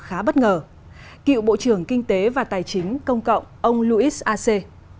khá bất ngờ cựu bộ trưởng kinh tế và tài chính công cộng ông luis ace